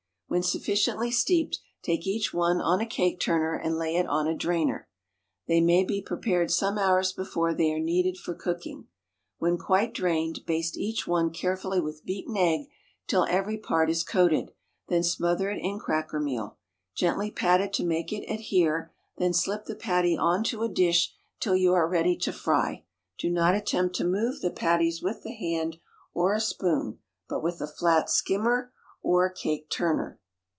When sufficiently steeped, take each one on a cake turner and lay it on a drainer. (They may be prepared some hours before they are needed for cooking.) When quite drained, baste each one carefully with beaten egg till every part is coated, then smother it in cracker meal. Gently pat it to make it adhere, then slip the patty on to a dish till you are ready to fry. Do not attempt to move the patties with the hand or a spoon, but with a flat skimmer or cake turner.